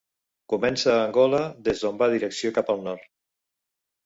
Comença a Angola, des d'on va direcció cap al nord.